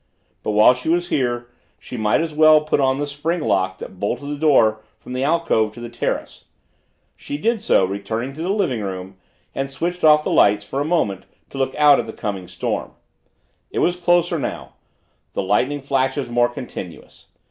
But, while she was here, she might as well put on the spring lock that bolted the door from the alcove to the terrace. She did so, returned to the living room and switched off the lights for a moment to look out at the coming storm. It was closer now the lightning flashes more continuous.